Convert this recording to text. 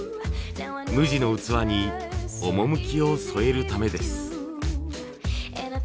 無地の器に趣を添えるためです。